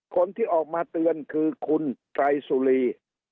คนที่ออกมาเตือนคือคุณไตรสุรี